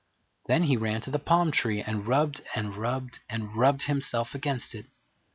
Then he ran to the palm tree and rubbed and rubbed and rubbed himself against it.